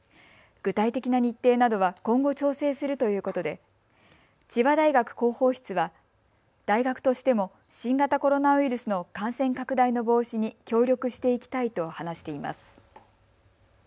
具体的な日程などは今後調整するということで千葉大学広報室は大学としても新型コロナウイルスの感染拡大の防止に協力していきたいと話しています。